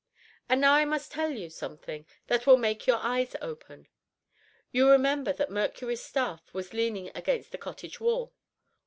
And now I must tell you something that will make your eyes open. You remember that Mercury's staff was leaning against the cottage wall?